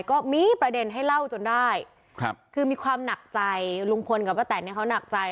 ก็มีประเด็นให้เล่าจนได้ครับคือมีความหนักใจลุงพลกับป้าแตนเนี่ยเขาหนักใจ